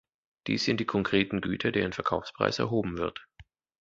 Dies sind die konkreten Güter, deren Verkaufspreis erhoben wird.